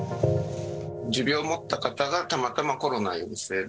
持病を持った方がたまたまコロナ陽性で、